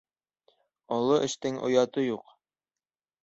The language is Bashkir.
Оло эштең ояты юҡ.